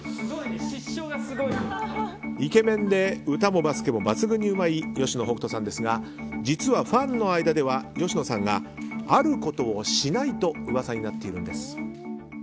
イケメンで歌もバスケも抜群にうまい吉野さんですが実はファンの間では吉野さんがあることをしないと噂になっているそうです。